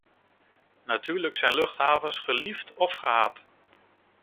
Natuurlijk zijn luchthavens geliefd of gehaat.